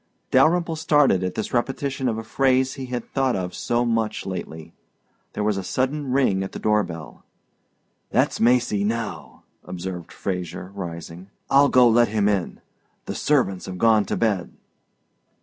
Dalyrimple started at this repetition of a phrase he had thought of so much lately. There was a sudden ring at the door bell. "That's Macy now," observed Fraser, rising. "I'll go let him in. The servants have gone to bed."